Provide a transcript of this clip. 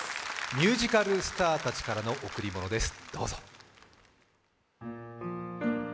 ミュージカルスターたちからの贈り物です。